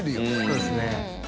そうですね。